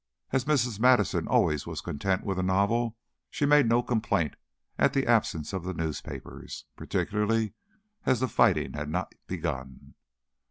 As Mrs. Madison always was content with a novel, she made no complaint at the absence of newspapers, particularly as the fighting had not begun.